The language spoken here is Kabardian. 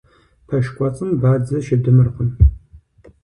Пэш кӀуэцӀым бадзэ щыдымыркъым.